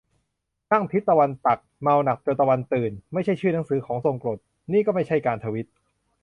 "นั่งทิศตะวันตัก เมาหนักจนตะวันตื่น" ไม่ใช่ชื่อหนังสือของทรงกลด นี่ก็ไม่ใช่การทวีต